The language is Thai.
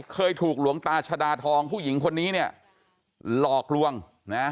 เคยถูกหลวงตาชดาทองผู้หญิงคนนี้เนี่ยหลอกลวงนะ